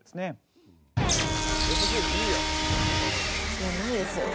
いやないです。